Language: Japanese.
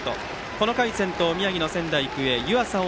この回、先頭、宮城の仙台育英湯浅桜